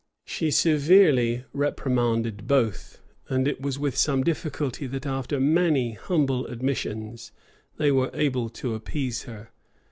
She severely reprimanded both; and it was with some difficulty that, after many humble admissions, they were able to appease her.